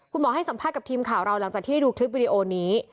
ให้สัมภาษณ์กับทีมข่าวเราหลังจากที่ได้ดูคลิปวิดีโอนี้